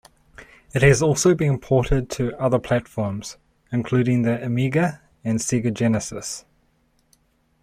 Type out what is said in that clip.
It has also been ported to other platforms, including the Amiga and Sega Genesis.